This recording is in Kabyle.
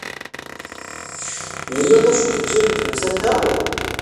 Yella d acu tegziḍ deg tmsalt-a?